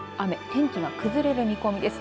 天気が崩れる見込みです。